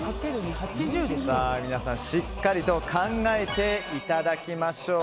皆さん、しっかりと考えていただきましょう。